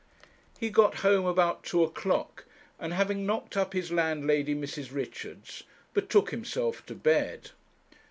He got home about two o'clock, and having knocked up his landlady, Mrs. Richards, betook himself to bed.